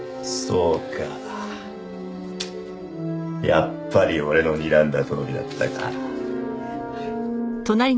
やっぱり俺のにらんだとおりだったか。